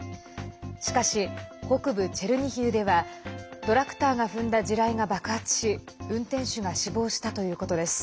しかし、北部チェルニヒウではトラクターが踏んだ地雷が爆発し運転手が死亡したということです。